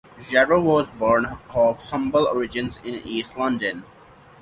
Yarrow was born of humble origins in East London.